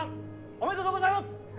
おめでとうございます！